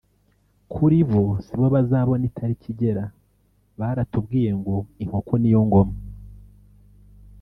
Kuri bo sibo bazabona itariki igera; baratubwiye ngo inkoko niyo ngoma